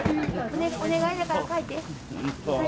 お願いだから書いて。